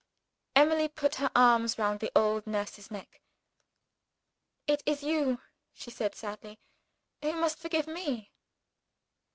Emily put her arms round the old nurse's neck. "It is you," she said sadly, "who must forgive me."